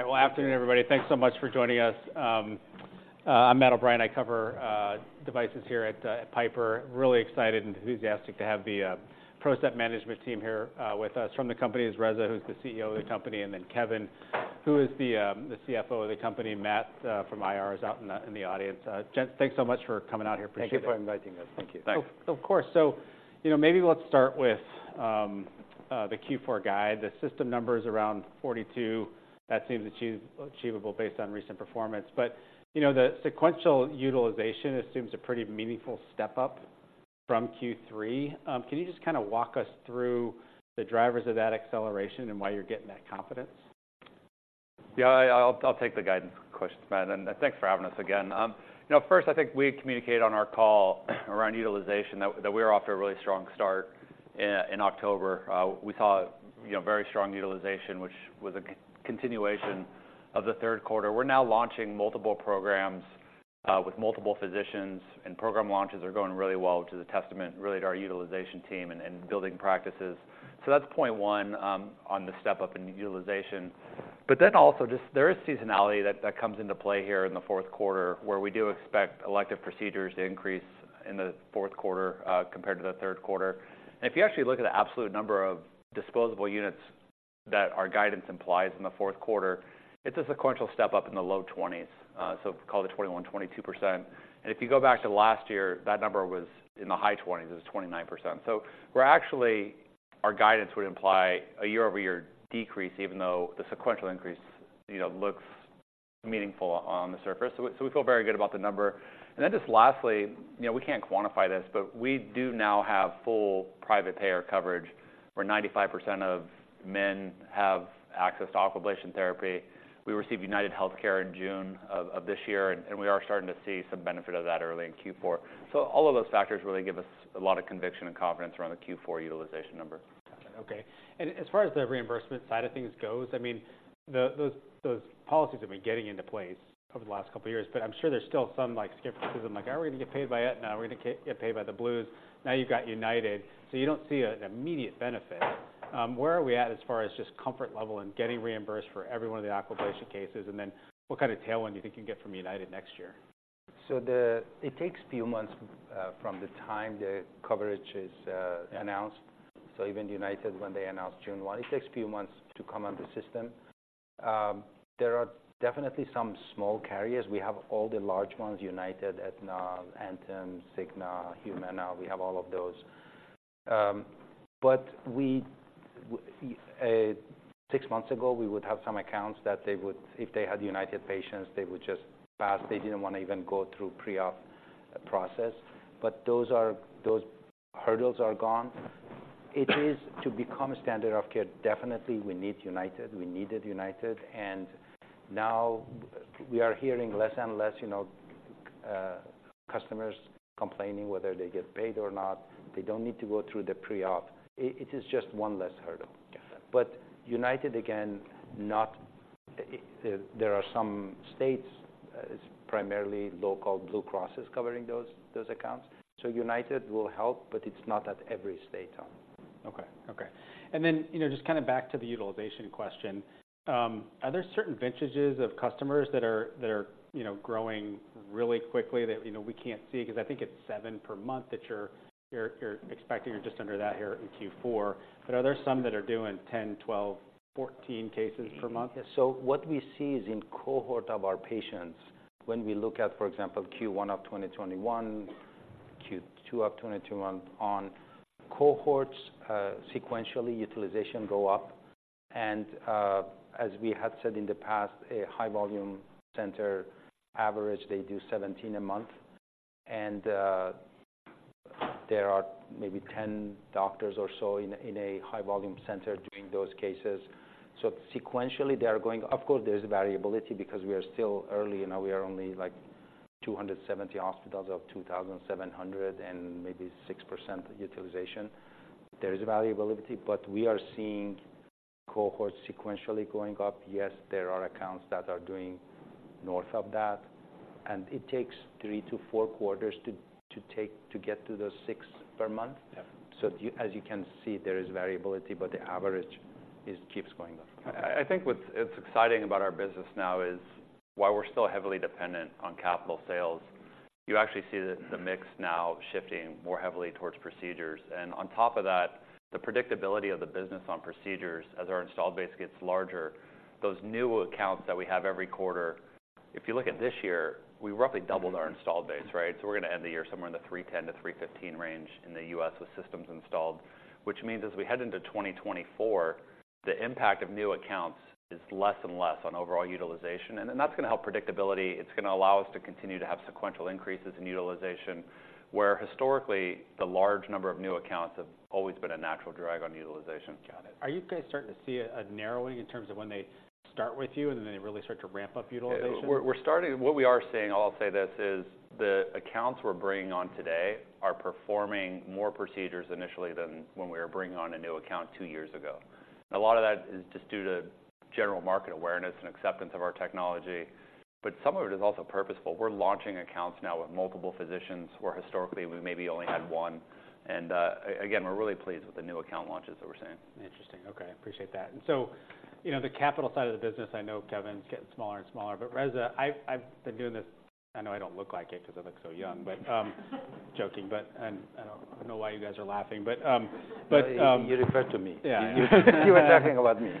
Well, afternoon, everybody. Thanks so much for joining us. I'm Matt O'Brien. I cover devices here at Piper. Really excited and enthusiastic to have the PROCEPT management team here with us. From the company is Reza, who's the CEO of the company, and then Kevin, who is the CFO of the company. Matt from IR is out in the audience. Gents, thanks so much for coming out here. Appreciate it. Thank you for inviting us. Thank you. Thanks. Of course. So, you know, maybe let's start with the fourth quarter guide. The system number is around 42. That seems achievable based on recent performance. But, you know, the sequential utilization assumes a pretty meaningful step up from third quarter. Can you just kind of walk us through the drivers of that acceleration and why you're getting that confidence? Yeah, I'll take the guidance questions, Matt, and thanks for having us again. You know, first, I think we communicated on our call around utilization, that we were off to a really strong start in October. We saw, you know, very strong utilization, which was a continuation of the third quarter. We're now launching multiple programs with multiple physicians, and program launches are going really well, which is a testament really to our utilization team and building practices. So that's point one on the step up in utilization. But then also, just there is seasonality that comes into play here in the fourth quarter, where we do expect elective procedures to increase in the fourth quarter compared to the third quarter. And if you actually look at the absolute number of disposable units that our guidance implies in the fourth quarter, it's a sequential step up in the low 20s, so call it 21, 22%. And if you go back to last year, that number was in the high 20s, it was 29%. So we're actually... Our guidance would imply a year-over-year decrease, even though the sequential increase, you know, looks meaningful on the surface. So we, so we feel very good about the number. And then just lastly, you know, we can't quantify this, but we do now have full private payer coverage, where 95% of men have access to Aquablation therapy. We received UnitedHealthcare in June of this year, and we are starting to see some benefit of that early in fourth quarter. All of those factors really give us a lot of conviction and confidence around the fourth quarter utilization number. Got it. Okay. And as far as the reimbursement side of things goes, I mean, those policies have been getting into place over the last couple of years, but I'm sure there's still some, like, skepticism, like, "Are we going to get paid by Aetna? Are we going to get paid by the Blues?" Now, you've got United, so you don't see an immediate benefit. Where are we at as far as just comfort level and getting reimbursed for every one of the Aquablation cases? And then what kind of tailwind do you think you can get from United next year? So it takes few months from the time the coverage is announced. Yeah. So even United, when they announced June 1, it takes a few months to come on the system. There are definitely some small carriers. We have all the large ones, United, Aetna, Anthem, Cigna, Humana, we have all of those. But six months ago, we would have some accounts that they would if they had United patients, they would just pass. They didn't want to even go through pre-op process. But those hurdles are gone. It is to become a standard of care, definitely, we need United. We needed United, and now we are hearing less and less, you know, customers complaining whether they get paid or not. They don't need to go through the pre-op. It is just one less hurdle. Got it. But United, again, not. There are some states. It's primarily local Blue Crosses covering those, those accounts. So United will help, but it's not at every state. Okay. Okay. And then, you know, just kind of back to the utilization question, are there certain vintages of customers that are, that are, you know, growing really quickly that, you know, we can't see? Because I think it's 7 per month that you're, you're, you're expecting, or just under that here in fourth quarter. But are there some that are doing 10, 12, 14 cases per month? So what we see is in cohort of our patients, when we look at, for example, first quarter of 2021, second quarter of 2021 on, cohorts, sequentially, utilization go up. And, as we have said in the past, a high volume center average, they do 17 a month, and, there are maybe 10 doctors or so in a, in a high volume center doing those cases. So sequentially, they are going up. Of course, there is variability because we are still early and now, we are only like 270 hospitals of 2,700 and maybe 6% utilization. There is a variability, but we are seeing cohorts sequentially going up. Yes, there are accounts that are doing north of that, and it takes three to four quarters to get to those six per month. Yeah. As you can see, there is variability, but the average keeps going up. I think what's exciting about our business now is, while we're still heavily dependent on capital sales, you actually see that the mix now shifting more heavily towards procedures. And on top of that, the predictability of the business on procedures as our installed base gets larger, those new accounts that we have every quarter, if you look at this year, we roughly doubled our installed base, right? So we're going to end the year somewhere in the 310 to 315 range in the US with systems installed. Which means as we head into 2024, the impact of new accounts is less and less on overall utilization, and then that's going to help predictability. It's going to allow us to continue to have sequential increases in utilization, where historically, the large number of new accounts have always been a natural drag on utilization. Got it. Are you guys starting to see a narrowing in terms of when they start with you, and then they really start to ramp up utilization? What we are seeing, I'll say this, is the accounts we're bringing on today are performing more procedures initially than when we were bringing on a new account two years ago. And a lot of that is just due to general market awareness and acceptance of our technology, but some of it is also purposeful. We're launching accounts now with multiple physicians, where historically we maybe only had one. And again, we're really pleased with the new account launches that we're seeing. Interesting. Okay, appreciate that. And so, you know, the capital side of the business, I know, Kevin, it's getting smaller and smaller. But Reza, I've been doing this. I know I don't look like it, 'cause I look so young, but joking, but I don't know why you guys are laughing, but, but. You referred to me. Yeah. You were talking about me.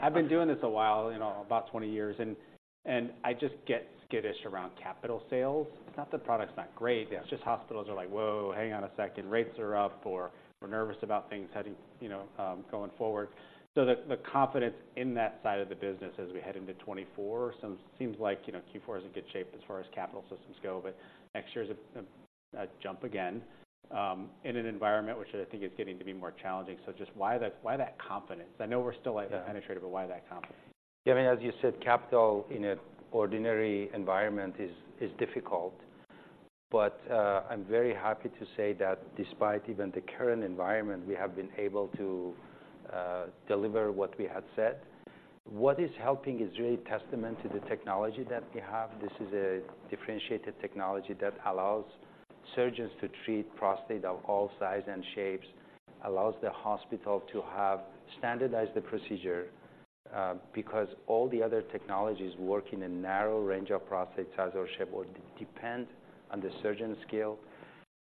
I've been doing this a while, you know, about 20 years, and I just get skittish around capital sales. It's not the product's not great, it's just hospitals are like: Whoa, hang on a second, rates are up, or we're nervous about things heading, you know, going forward. So the confidence in that side of the business as we head into 2024, seems like, you know, fourth quarter is in good shape as far as capital systems go, but next year is a jump again, in an environment which I think is getting to be more challenging. So just why that, why that confidence? I know we're still, like, penetrated... Yeah. But why that confidence? Yeah, I mean, as you said, capital in an ordinary environment is difficult. But, I'm very happy to say that despite even the current environment, we have been able to deliver what we had said. What is helping is really testament to the technology that we have. This is a differentiated technology that allows surgeons to treat prostate of all sizes and shapes, allows the hospital to have standardized the procedure, because all the other technologies work in a narrow range of prostate size or shape, or depend on the surgeon skill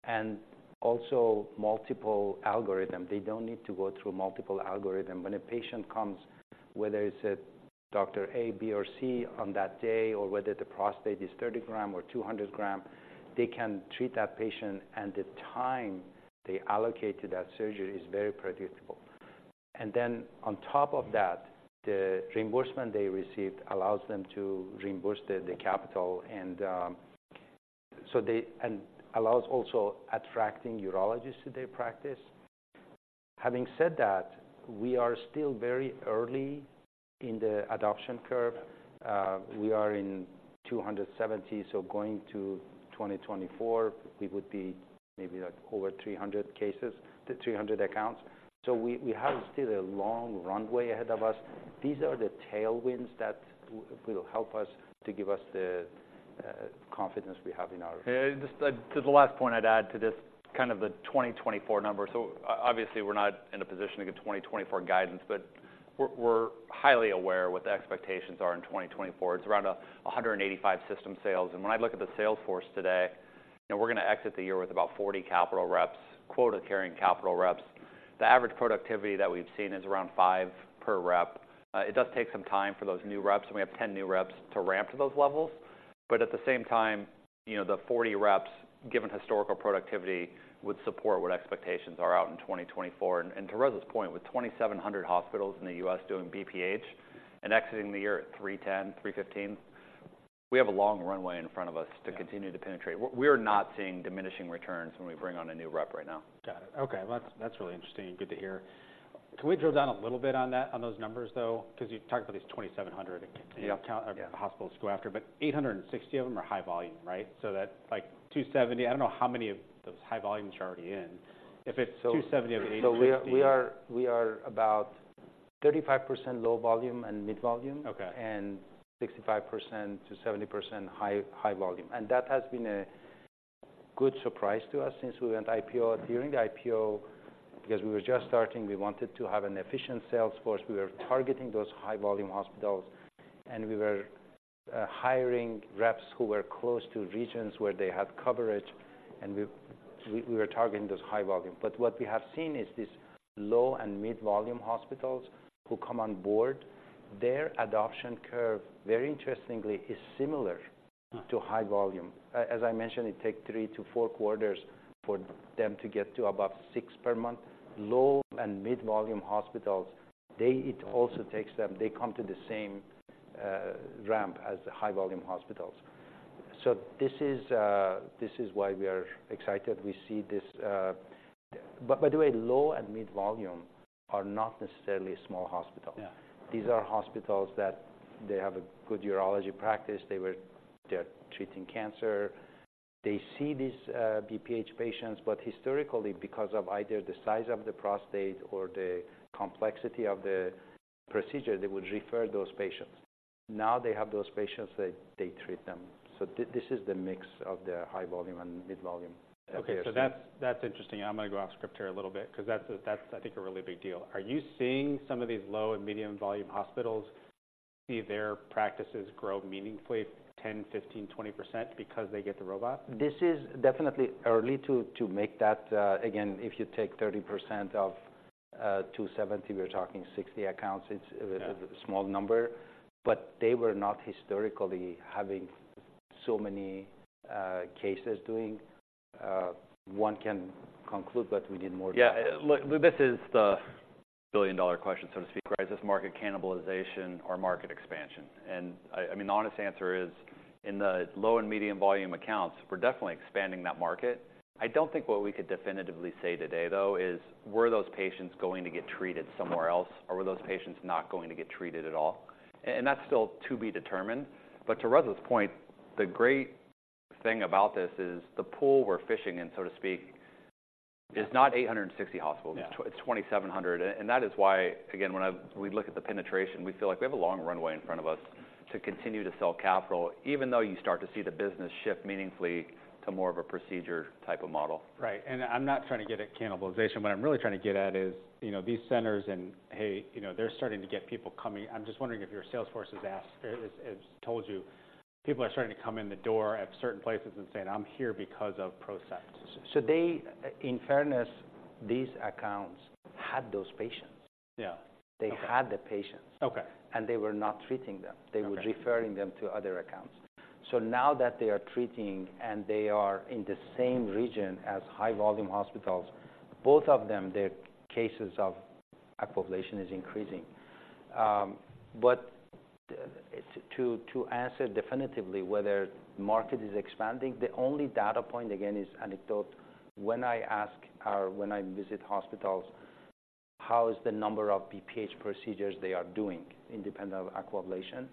and also multiple algorithm. They don't need to go through multiple algorithm. When a patient comes, whether it's a doctor A, B, or C on that day, or whether the prostate is 30 gram or 200 gram, they can treat that patient, and the time they allocate to that surgery is very predictable. And then on top of that, the reimbursement they received allows them to reimburse the capital, and allows also attracting urologists to their practice. Having said that, we are still very early in the adoption curve. We are in 270, so going to 2024, we would be maybe, like, over 300 cases, the 300 accounts. So we have still a long runway ahead of us. These are the tailwinds that will help us to give us the confidence we have in our... Yeah, just, to the last point I'd add to this, kind of the 2024 number. So obviously, we're not in a position to give 2024 guidance, but we're highly aware what the expectations are in 2024. It's around 185 system sales, and when I look at the sales force today, and we're going to exit the year with about 40 capital reps, quota-carrying capital reps, the average productivity that we've seen is around five per rep. It does take some time for those new reps, and we have 10 new reps to ramp to those levels. But at the same time, you know, the 40 reps, given historical productivity, would support what expectations are out in 2024. To Reza's point, with 2,700 hospitals in the US doing BPH and exiting the year at 310, 315, we have a long runway in front of us... Yeah. To continue to penetrate. We're not seeing diminishing returns when we bring on a new rep right now. Got it. Okay, well, that's, that's really interesting and good to hear. Can we drill down a little bit on that, on those numbers, though? Because you talked about these 2,700... Yeah. Count of hospitals to go after, but 860 of them are high volume, right? So that's like 270... I don't know how many of those high volume you're already in. If it's 270 out of 860... So we are about 35% low volume and mid volume... Okay. And 65% to 70% high-volume. And that has been a good surprise to us since we went IPO. During the IPO, because we were just starting, we wanted to have an efficient sales force. We were targeting those high-volume hospitals, and we were hiring reps who were close to regions where they had coverage, and we were targeting those high-volume. But what we have seen is this low and mid-volume hospitals who come on board, their adoption curve, very interestingly, is similar... Hmm To high volume. As I mentioned, it takes three to four quarters for them to get to above six per month. Low and mid-volume hospitals, they, it also takes them, they come to the same ramp as the high-volume hospitals. So, this is why we are excited, we see this. By the way, low and mid volume are not necessarily small hospitals. Yeah. These are hospitals that they have a good urology practice, they're treating cancer. They see these BPH patients, but historically, because of either the size of the prostate or the complexity of the procedure, they would refer those patients. Now they have those patients, they treat them. So this is the mix of the high volume and mid-volume, yes. Okay, so that's, that's interesting. I'm going to go off script here a little bit because that's, that's, I think, a really big deal. Are you seeing some of these low and medium volume hospitals see their practices grow meaningfully 10%, 15%, 20% because they get the robot? This is definitely early to make that. Again, if you take 30% of 270, we're talking 60 accounts. Yeah. It's a small number, but they were not historically having so many cases doing. One can conclude that we need more... Yeah, look, this is the billion-dollar question, so to speak, right? Is this market cannibalization or market expansion? And I mean, the honest answer is, in the low and medium volume accounts, we're definitely expanding that market. I don't think what we could definitively say today, though, is, were those patients going to get treated somewhere else, or were those patients not going to get treated at all? And that's still to be determined. But to Reza's point, the great thing about this is the pool we're fishing in, so to speak, is not 860 hospitals... Yeah. It's 2,700. And that is why, again, when we look at the penetration, we feel like we have a long runway in front of us to continue to sell capital, even though you start to see the business shift meaningfully to more of a procedure type of model. Right. And I'm not trying to get at cannibalization. What I'm really trying to get at is, you know, these centers and, hey, you know, they're starting to get people coming. I'm just wondering if your salesforce has asked, has told you people are starting to come in the door at certain places and saying, "I'm here because of PROCEPT. So they, in fairness, these accounts had those patients. Yeah. They had the patients. Okay. And they were not treating them... Okay. They were referring them to other accounts. So now that they are treating, and they are in the same region as high-volume hospitals, both of them, their cases of Aquablation is increasing. But to answer definitively whether market is expanding, the only data point, again, is anecdote. When I ask or when I visit hospitals, how is the number of BPH procedures they are doing independent of Aquablation?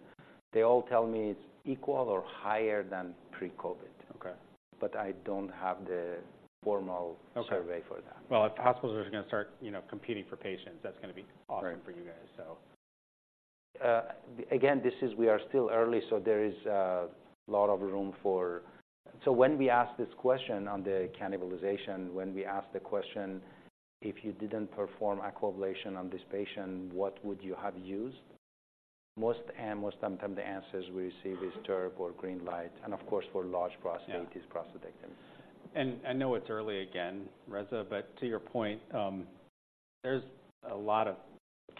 They all tell me it's equal or higher than pre-COVID. Okay. But I don't have the formal... Okay Survey for that. Well, if hospitals are going to start, you know, competing for patients, that's going to be awesome... Right for you guys, so. Again, this is we are still early, so there is a lot of room for... So when we ask this question on the cannibalization, when we ask the question: If you didn't perform Aquablation on this patient, what would you have used? Most of the time, the answers we receive is TURP or GreenLight, and of course, for large prostate... Yeah Is prostatectomy. I know it's early again, Reza, but to your point, there's a lot of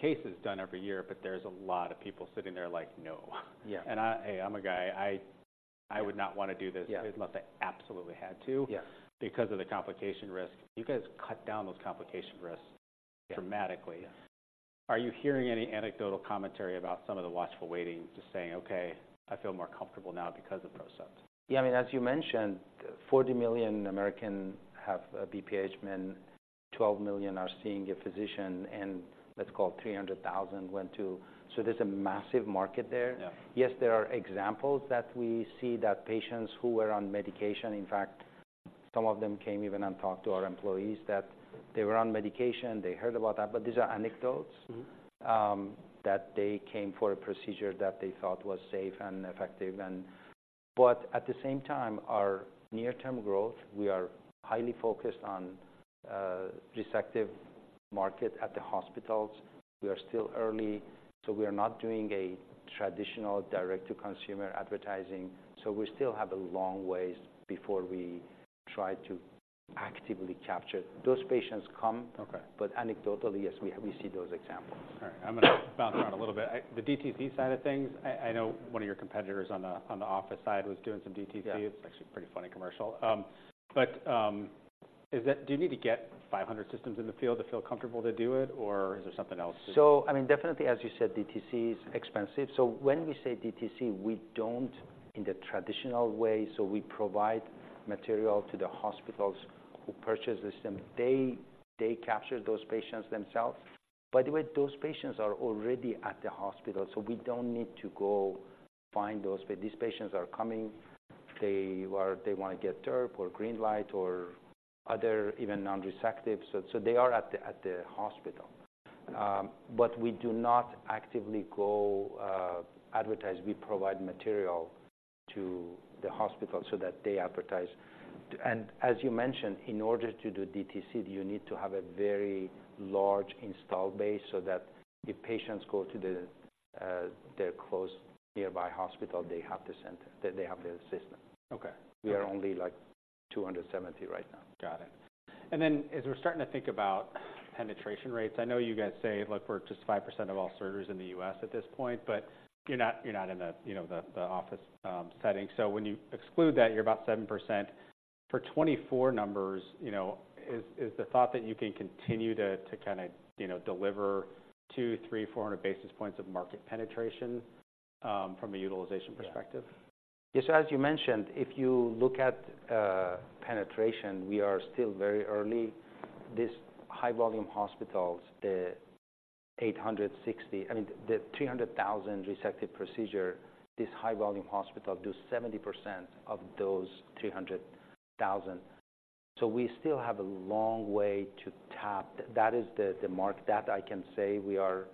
cases done every year, but there's a lot of people sitting there like, "No. Yeah. Hey, I'm a guy. I would not want to do this... Yeah Unless I absolutely had to... Yeah Because of the complication risk. You guys cut down those complication risks dramatically. Yeah. Are you hearing any anecdotal commentary about some of the watchful waiting, just saying, "Okay, I feel more comfortable now because of PROCEPT? Yeah, I mean, as you mentioned, 40 million American have BPH men, 12 million are seeing a physician, and let's call it 300,000 went to... So there's a massive market there. Yeah. Yes, there are examples that we see that patients who were on medication, in fact, some of them came even and talked to our employees, that they were on medication, they heard about that, but these are anecdotes... Mm-hmm. That they came for a procedure that they thought was safe and effective and... But at the same time, our near-term growth, we are highly focused on, resective market at the hospitals. We are still early, so we are not doing a traditional direct-to-consumer advertising. So we still have a long ways before we try to actively capture. Those patients come... Okay But anecdotally, yes, we, we see those examples. All right. I'm going to bounce around a little bit. The DTC side of things, I know one of your competitors on the office side was doing some DTC. Yeah. It's actually a pretty funny commercial. But, do you need to get 500 systems in the field to feel comfortable to do it, or is there something else to... So, I mean, definitely, as you said, DTC is expensive. So when we say DTC, we don't in the traditional way, so we provide material to the hospitals who purchase the system. They, they capture those patients themselves. By the way, those patients are already at the hospital, so we don't need to go find those patients. These patients are coming. They want to get TURP or GreenLight or other even non-resective. So they are at the hospital. But we do not actively go advertise. We provide material to the hospital so that they advertise. And as you mentioned, in order to do DTC, you need to have a very large install base so that if patients go to their close nearby hospital, they have the center, they have the system. Okay. We are only, like, 270 right now. Got it. And then, as we're starting to think about penetration rates, I know you guys say, "Look, we're just 5% of all surgeries in the US at this point," but you're not in the, you know, the office setting. So when you exclude that, you're about 7%. For 2024 numbers, you know, is the thought that you can continue to kind of, you know, deliver 200, 300, 400 basis points of market penetration from a utilization perspective? Yeah. So as you mentioned, if you look at penetration, we are still very early. This high-volume hospitals, the eight hundred and sixty—I mean, the 300,000 resective procedure, this high-volume hospital does 70% of those 300,000. So we still have a long way to tap. That is the mark that I can say we are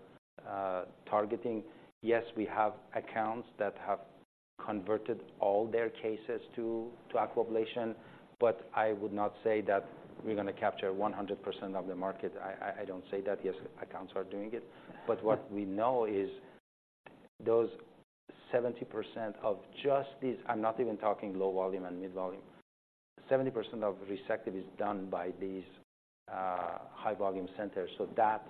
targeting. Yes, we have accounts that have converted all their cases to Aquablation, but I would not say that we're going to capture 100% of the market. I don't say that. Yes, accounts are doing it. But what we know is those 70% of just these—I'm not even talking low volume and mid volume. 70% of resective is done by these high-volume centers, so that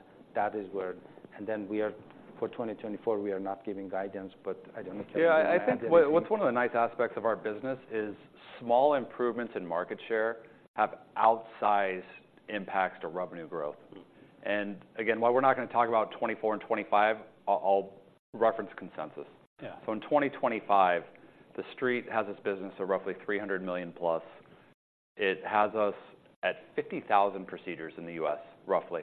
is where... And then we are, for 2024, we are not giving guidance, but I don't think... Yeah, I think what's one of the nice aspects of our business is small improvements in market share have outsized impacts to revenue growth. Mm-hmm. And again, while we're not going to talk about 2024 and 2025, I'll reference consensus. Yeah. So in 2025, the street has its business of roughly $300 million plus. It has us at 50,000 procedures in the US, roughly.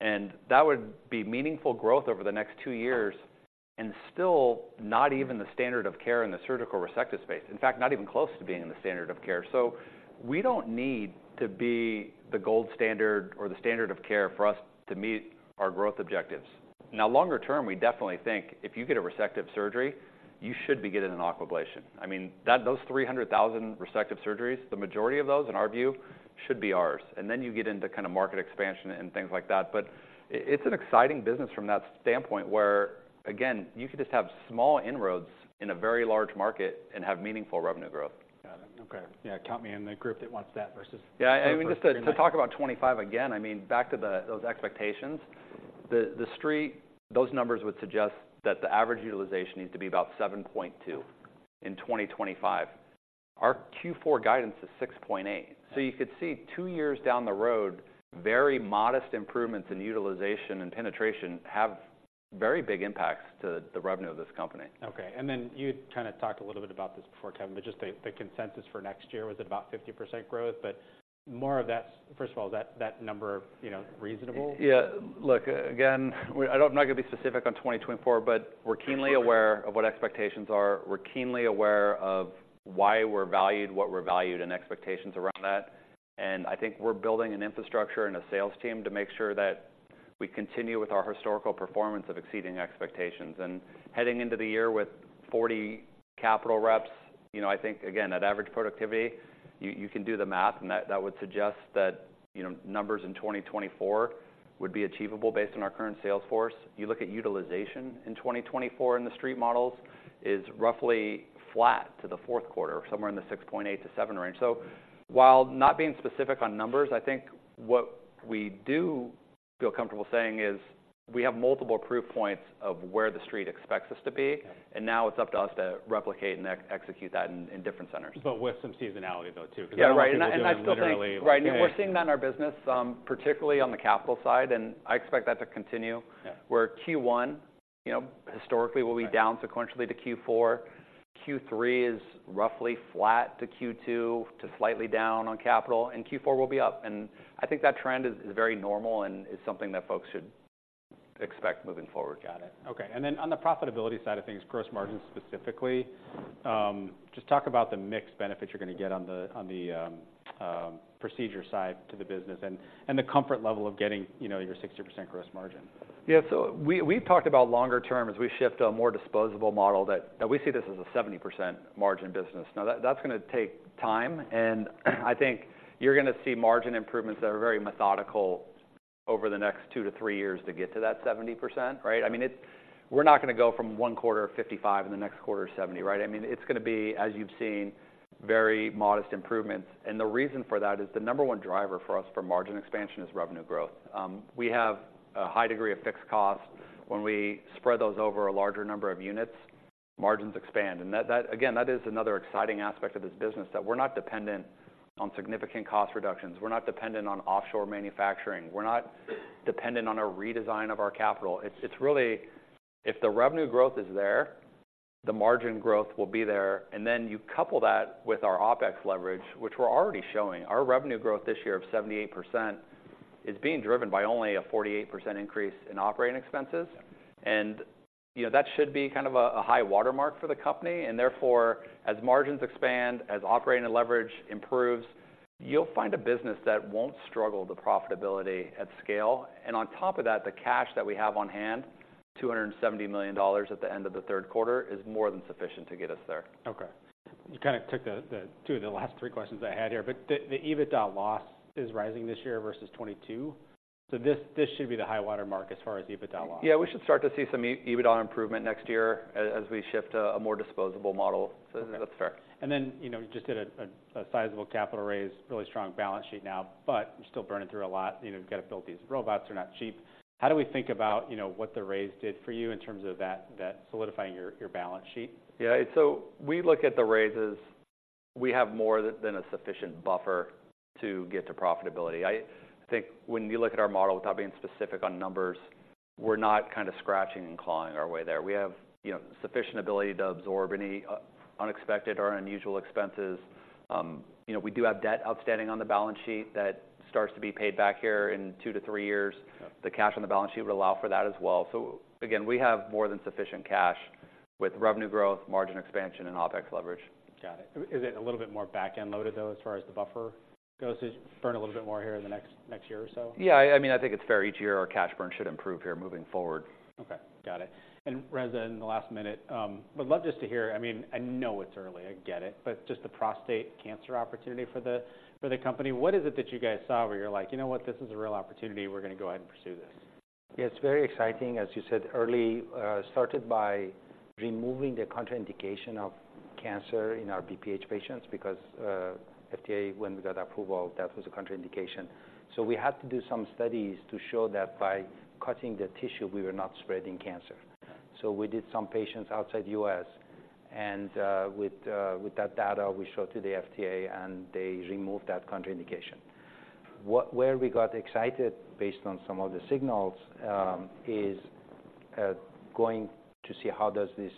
And that would be meaningful growth over the next two years, and still not even the standard of care in the surgical resective space. In fact, not even close to being in the standard of care. So we don't need to be the gold standard or the standard of care for us to meet our growth objectives. Now, longer term, we definitely think if you get a resective surgery, you should be getting an Aquablation. I mean, that, those 300,000 resective surgeries, the majority of those, in our view, should be ours. And then you get into kind of market expansion and things like that. But it's an exciting business from that standpoint, where, again, you could just have small inroads in a very large market and have meaningful revenue growth. Got it. Okay. Yeah, count me in the group that wants that versus... Yeah, I mean, just to talk about 2025 again, I mean, back to those expectations, the Street, those numbers would suggest that the average utilization needs to be about 7.2 in 2025. Our fourth quarter guidance is 6.8. So you could see two years down the road, very modest improvements in utilization and penetration have very big impacts to the revenue of this company. Okay, and then you kind of talked a little bit about this before, Kevin, but just the consensus for next year was at about 50% growth. But more of that, first of all, that number, you know, reasonable? Yeah. Look, again, we, I'm not going to be specific on 2024, but we're keenly aware of what expectations are. We're keenly aware of why we're valued, what we're valued, and expectations around that. And I think we're building an infrastructure and a sales team to make sure that we continue with our historical performance of exceeding expectations. And heading into the year with 40 capital reps, you know, I think, again, at average productivity, you, you can do the math, and that, that would suggest that, you know, numbers in 2024 would be achievable based on our current sales force. You look at utilization in 2024, and the Street models is roughly flat to the fourth quarter, somewhere in the 6.8 to seven range. While not being specific on numbers, I think what we do feel comfortable saying is we have multiple proof points of where the Street expects us to be, and now it's up to us to replicate and execute that in different centers. But with some seasonality, though, too, because... Yeah, right. A lot of people are doing literally... I still think, right, and we're seeing that in our business, particularly on the capital side, and I expect that to continue. Yeah. Where first quarter, you know, historically, will be down sequentially to fourth quarter. third quarter is roughly flat to second quarter, to slightly down on capital, and fourth quarter will be up. I think that trend is very normal and is something that folks should expect moving forward. Got it. Okay. And then on the profitability side of things, gross margin specifically, just talk about the mix benefit you're going to get on the procedure side to the business and the comfort level of getting, you know, your 60% gross margin. Yeah. So, we've talked about longer term, as we shift to a more disposable model, that we see this as a 70% margin business. Now, that's going to take time, and I think you're going to see margin improvements that are very methodical over the next two to three years to get to that 70%, right? I mean, it's. We're not going to go from one quarter of 55% and the next quarter of 70%, right? I mean, it's going to be, as you've seen, very modest improvements, and the reason for that is the number one driver for us for margin expansion is revenue growth. We have a high degree of fixed costs. When we spread those over a larger number of units, margins expand. That is another exciting aspect of this business, that we're not dependent on significant cost reductions. We're not dependent on offshore manufacturing. We're not dependent on a redesign of our capital. It's really, if the revenue growth is there, the margin growth will be there, and then you couple that with our OpEx leverage, which we're already showing. Our revenue growth this year of 78% is being driven by only a 48% increase in operating expenses. Yeah. You know, that should be kind of a high watermark for the company, and therefore, as margins expand, as operating and leverage improves, you'll find a business that won't struggle with the profitability at scale. On top of that, the cash that we have on hand, $270 million at the end of the third quarter, is more than sufficient to get us there. Okay. You kind of took the two of the last three questions I had here, but the EBITDA loss is rising this year versus 2022. So this should be the high-water mark as far as EBITDA loss. Yeah, we should start to see some EBITDA improvement next year as, as we shift to a more disposable model. So that's fair. And then, you know, you just did a sizable capital raise, really strong balance sheet now, but you're still burning through a lot. You know, you've got to build these robots. They're not cheap. How do we think about, you know, what the raise did for you in terms of that solidifying your balance sheet? Yeah. So, we look at the raises. We have more than a sufficient buffer to get to profitability. I think when you look at our model, without being specific on numbers, we're not kind of scratching and clawing our way there. We have, you know, sufficient ability to absorb any unexpected or unusual expenses. You know, we do have debt outstanding on the balance sheet that starts to be paid back here in two to three years. Yeah. The cash on the balance sheet would allow for that as well. So again, we have more than sufficient cash with revenue growth, margin expansion, and OpEx leverage. Got it. Is it a little bit more back-end loaded, though, as far as the buffer goes? Does it burn a little bit more here in the next, next year or so? Yeah, I mean, I think it's fair. Each year, our cash burn should improve here moving forward. Okay, got it. And Reza, in the last minute, would love just to hear... I mean, I know it's early, I get it, but just the prostate cancer opportunity for the, for the company, what is it that you guys saw where you're like: You know what? This is a real opportunity. We're going to go ahead and pursue this? Yeah, it's very exciting. As you said, early, started by removing the contraindication of cancer in our BPH patients because, FDA, when we got approval, that was a contraindication. So we had to do some studies to show that by cutting the tissue, we were not spreading cancer. Got it. So we did some patients outside the US, and with that data, we showed to the FDA, and they removed that contraindication. Where we got excited, based on some of the signals, is going to see how does this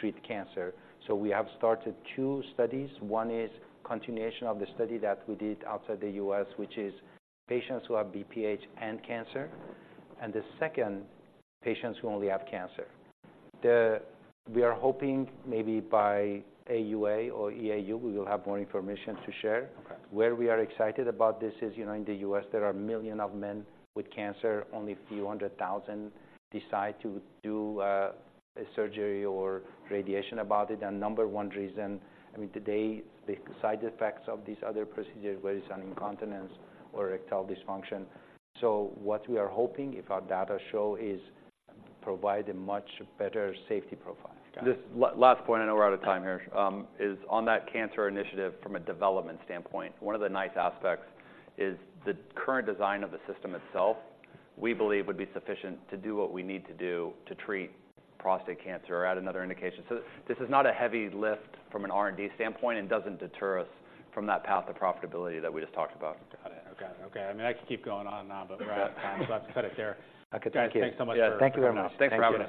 treat cancer. So we have started two studies. One is continuation of the study that we did outside the US, which is patients who have BPH and cancer, and the second, patients who only have cancer. We are hoping maybe by AUA or EAU, we will have more information to share. Okay. Where we are excited about this is, you know, in the US, there are millions of men with cancer. Only a few hundred thousand decide to do a surgery or radiation about it. And number one reason, I mean, today, the side effects of these other procedures, whether it's on incontinence or erectile dysfunction. So what we are hoping, if our data show, is provide a much better safety profile. Got it. Last point, I know we're out of time here, is on that cancer initiative from a development standpoint. One of the nice aspects is the current design of the system itself, we believe, would be sufficient to do what we need to do to treat prostate cancer or add another indication. So, this is not a heavy lift from an R&D standpoint and doesn't deter us from that path to profitability that we just talked about. Got it. Okay. Okay, I mean, I can keep going on and on, but we're out of time, so I'll have to cut it there. Okay, thank you. Thanks so much for... Yeah, thank you very much. Thanks for having us.